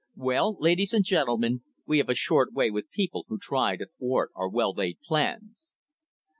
Well, ladies and gentlemen, we have a short way with people who try to thwart our well laid plans."